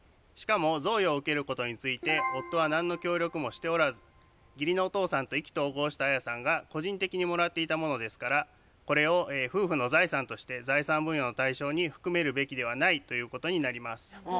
しかも贈与を受けることについて夫は何の協力もしておらず義理のお父さんと意気投合したアヤさんが個人的にもらっていたものですからこれを夫婦の財産として財産分与の対象に含めるべきではないということになります。